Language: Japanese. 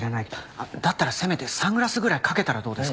あっだったらせめてサングラスぐらいかけたらどうですか？